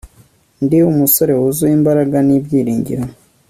Ndi umusore wuzuye imbaraga nibyiringiro